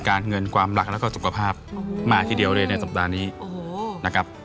เงินความรักแล้วก็สุขภาพมากทีเดียวเลยในสัปดาห์นี้นะครับ